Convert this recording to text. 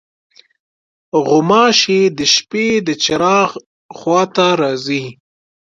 غوماشې د شپې د چراغ خوا ته راځي.